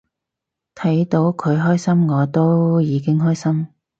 睇到佢開心我都已經開心